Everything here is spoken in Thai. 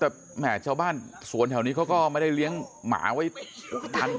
แต่แหมชาวบ้านสวนแถวนี้เขาก็ไม่ได้เลี้ยงหมาไว้ทัน